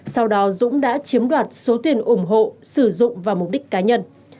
sau đó dũng đã chiếm đoạt số tiền ủng hộ sử dụng vào mục đích cá nhân